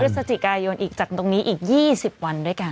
พฤศจิกายนอีกจากตรงนี้อีก๒๐วันด้วยกัน